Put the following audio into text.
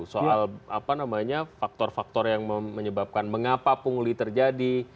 soal faktor faktor yang menyebabkan mengapa pungli terjadi